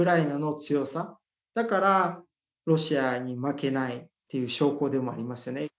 だからロシアに負けないっていう証拠でもありますよね。